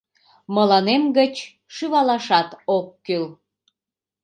Мыланем гыч, шӱвалашат ок кӱл!